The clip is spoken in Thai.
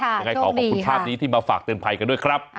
ยังไงขอขอบคุณภาพนี้ที่มาฝากเตือนภัยกันด้วยครับ